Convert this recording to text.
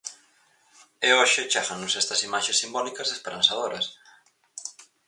E hoxe chégannos estas imaxes simbólicas e esperanzadoras.